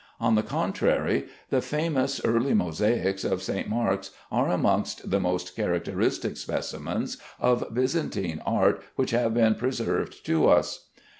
On the contrary, the famous early mosaics of St. Mark's are amongst the most characteristic specimens of Byzantine art which have been preserved to us.